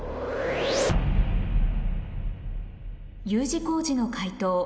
Ｕ字工事の解答